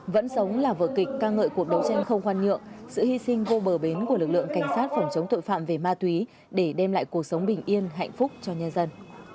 vẫn sống là vở kịch ca ngợi cuộc đấu tranh không khoan nhượng sự hy sinh vô bờ bến của lực lượng cảnh sát phòng chống tội phạm về ma túy để đem lại cuộc sống bình yên hạnh phúc cho nhân dân